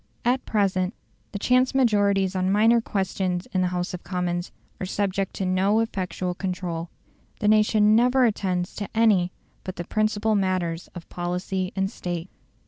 At present the chance majorities on minor questions in the House of Commons are subject to no effectual control. The nation never attends to any but the principal matters of policy and State.